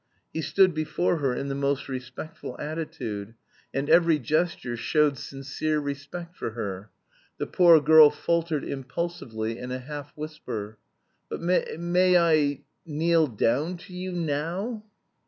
He stood before her in the most respectful attitude, and every gesture showed sincere respect for her. The poor girl faltered impulsively in a half whisper. "But may I... kneel down... to you now?"